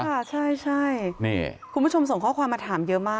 ค่ะใช่นี่คุณผู้ชมส่งข้อความมาถามเยอะมาก